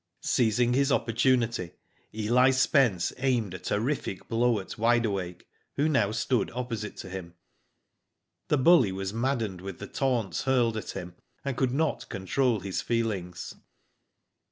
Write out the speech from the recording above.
Seizing his opportunity, Eli Spence aimed a terrific blow at Wide Awake, who now stood opposite to him. The bully was maddened with the taunts hurled at him, and could not control his feelings.